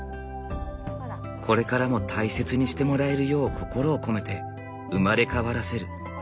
これからも大切にしてもらえるよう心を込めて生まれ変わらせる。